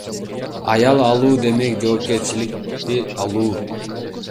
Аял алуу демек жоопкерчиликти алуу.